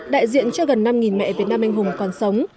đại diện cho gần năm mẹ việt nam anh hùng còn sống